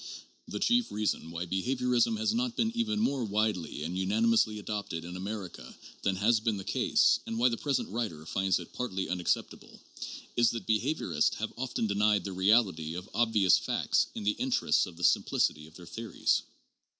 The chief reason why behaviorism has not been even more widely and unanimously adopted in America than has been the case, and why the present writer finds it partly unacceptable, is that behaviorists have often denied the reality of obvious facts in the interests of the simplicity of their theories.